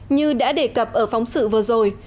như đã đề cập ở phóng sự vừa rồi